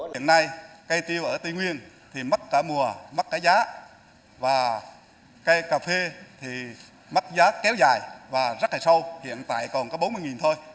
hiện nay cây tiêu ở tây nguyên thì mất cả mùa mất cả giá và cây cà phê thì mất giá kéo dài và rất là sâu hiện tại còn có bốn mươi thôi